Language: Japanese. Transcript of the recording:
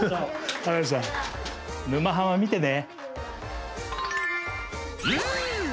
「沼ハマ」見てね！